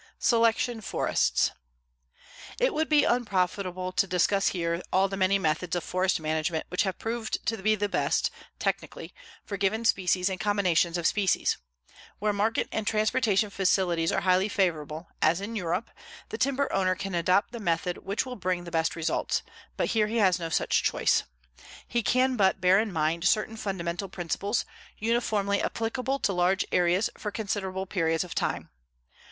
SELECTION FORESTS It would be unprofitable to discuss here all the many methods of forest management which have proved to be best, technically, for given species and combinations of species. Where market and transportation facilities are highly favorable, as in Europe, the timber owner can adopt the method which will bring the best results, but here he has no such choice. He can but bear in mind certain fundamental principles, uniformly applicable to large areas for considerable periods of time.